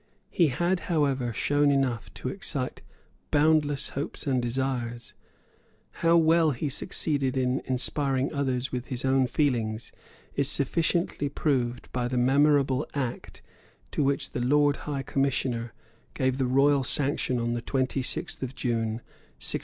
He had however shown enough to excite boundless hopes and desires. How well he succeeded in inspiring others with his own feelings is sufficiently proved by the memorable Act to which the Lord High Commissioner gave the Royal sanction on the 26th of June 1695.